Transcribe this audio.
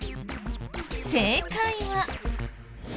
正解は。